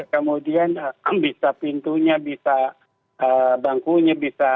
kemudian bisa pintunya bisa bangkunya bisa